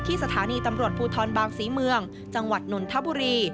สถานีตำรวจภูทรบางศรีเมืองจังหวัดนนทบุรี